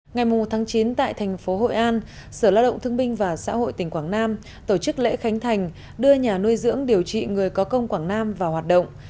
ngày chín tại thành phố hội an sở lao động thương binh và xã hội tỉnh quảng nam tổ chức lễ khánh thành đưa nhà nuôi dưỡng điều trị người có công quảng nam vào hoạt động